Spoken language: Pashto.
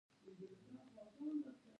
د اشرافو تر نفوذ لاندې وه.